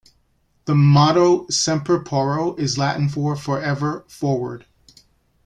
The motto, "Semper Porro", is Latin for "Forever Forward".